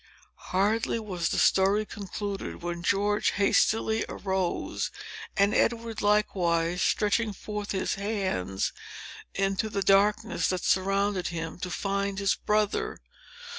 Hardly was the story concluded, when George hastily arose, and Edward likewise, stretching forth his hands into the darkness that surrounded him, to find his brother.